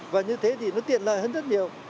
và như thế thì nó tiện lợi hơn rất nhiều